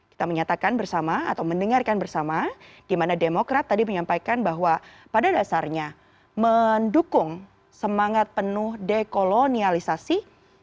kita menyatakan bersama atau mendengarkan bersama di mana demokrat tadi menyampaikan bahwa pada dasarnya mendukung semangat penuh dekolonialisasi